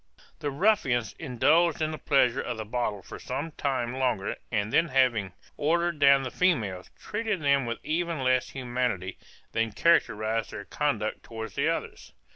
The ruffians indulged in the pleasures of the bottle for some time longer, and then having ordered down the females, treated them with even less humanity than characterized their conduct towards the others.